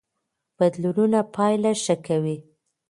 بدلونونه پایله ښه کوي.